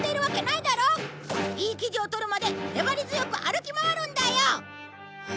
いい記事を撮るまで粘り強く歩き回るんだよ！